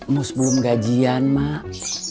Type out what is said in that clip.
mus belum gajian mak